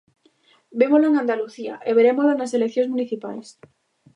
Vémolo en Andalucía e verémolo nas eleccións municipais.